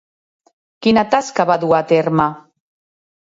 Quina tasca va dur a terme?